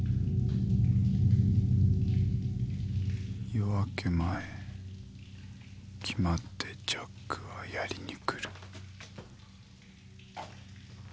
夜明け前決まってジャックは殺りにくる